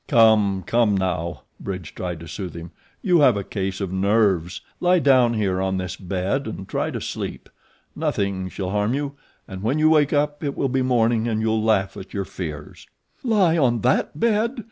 "Come! come! now," Bridge tried to soothe him. "You have a case of nerves. Lie down here on this bed and try to sleep. Nothing shall harm you, and when you wake up it will be morning and you'll laugh at your fears." "Lie on THAT bed!"